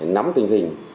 nắm tình hình